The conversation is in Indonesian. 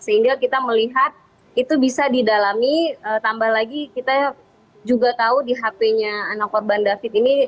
sehingga kita melihat itu bisa didalami tambah lagi kita juga tahu di hp nya anak korban david ini